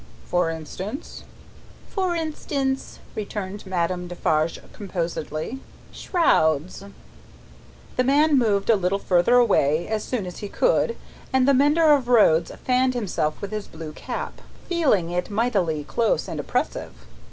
"For instance " "For instance," returned Madame Defarge, composedly, "shrouds." The man moved a little further away, as soon as he could, and the mender of roads fanned himself with his blue cap: feeling it mightily close and oppressive.